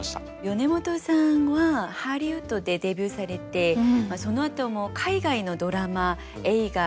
米本さんはハリウッドでデビューされてそのあとも海外のドラマ映画